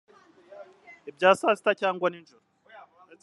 ibya saa sita cyangwa nijoro